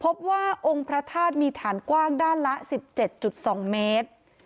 พบว่าองค์พระธาตุมีฐานกว้างด้านละ๑๗๒เมตร